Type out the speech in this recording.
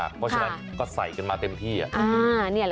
เพราะฉะนั้นก็ใส่กันมาเต็มที่